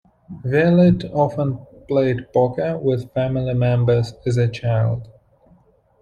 Violette often played poker with family members as a child.